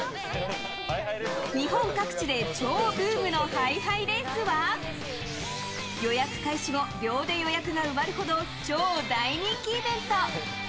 日本各地で超ブームのハイハイレースは予約開始後秒で予約が埋まるほど超大人気イベント。